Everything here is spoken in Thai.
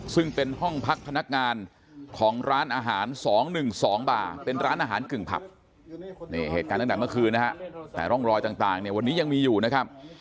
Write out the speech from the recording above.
ซึ่งเป็นห้องพักพนักงานของร้านอาหาร๒๑๒บาลเป็นร้านอาหารกึ่งผัก